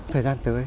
thời gian tới